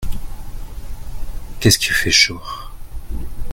Qu’est-ce qu’il fait chaud !